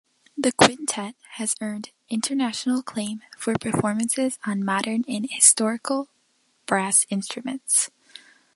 The quintet has earned international acclaim for performances on modern and historical brass instruments.